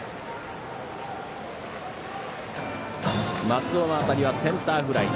松尾の当たりはセンターフライ。